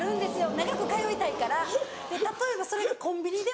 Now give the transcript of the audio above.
長く通いたいから例えばそれがコンビニでも。